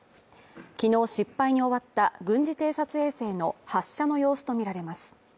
昨日失敗に終わった軍事偵察衛星の発射の様子とみられます。